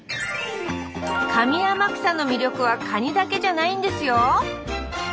上天草の魅力はカニだけじゃないんですよ！